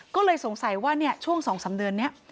ก็เลยสงสัยว่าช่วง๒๓เดือนนี้